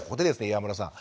岩室さん。